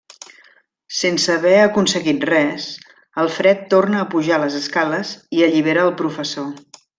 Sense haver aconseguit res, Alfred torna a pujar les escales i allibera al Professor.